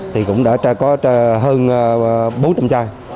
thì cũng đã có hơn bốn trăm linh chai